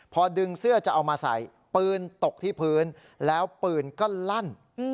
พอดึงเสื้อจะเอามาใส่ปืนตกที่พื้นแล้วปืนก็ลั่น